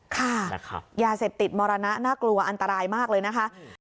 ค่ะยาเสพติดมรณะน่ากลัวอันตรายมากเลยนะคะ